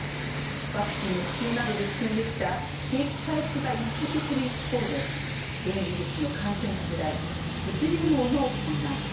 ワクチンの普及などで進んできた景気回復が一服する一方で変異ウイルスの感染拡大物流網の混乱